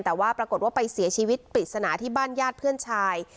แต่ว่าปรากฏว่าไปเสียชีวิตปริศนาที่บ้านญาติเพื่อนชาย